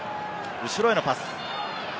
後ろへのパス。